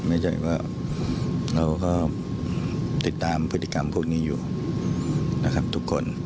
ไม่ใช่ว่าเราก็ติดตามพฤติกรรมพวกนี้อยู่นะครับทุกคน